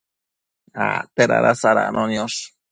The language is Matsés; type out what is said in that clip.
acte dada sadacno niosh